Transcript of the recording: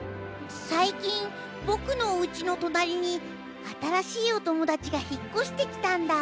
さい近ぼくのおうちのとなりに新しいお友だちが引っこしてきたんだ。